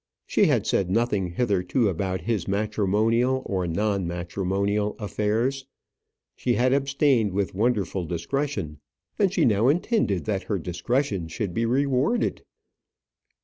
She had said nothing hitherto about his matrimonial or non matrimonial affairs. She had abstained with wonderful discretion; and she now intended that her discretion should be rewarded.